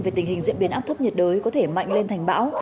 về tình hình diễn biến áp thấp nhiệt đới có thể mạnh lên thành bão